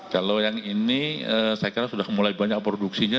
kalau yang ini saya kira sudah mulai banyak produksinya